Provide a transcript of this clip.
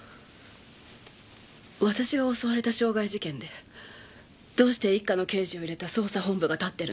私が襲われた傷害事件でどうして一課の刑事を入れた捜査本部が立ってるの？